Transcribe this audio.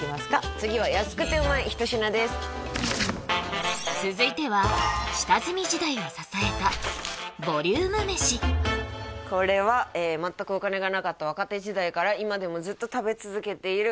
次は安くてうまい一品です続いてはこれは全くお金がなかった若手時代から今でもずっと食べ続けているあ